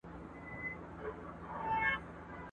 بې خبره د سیلیو له څپېړو `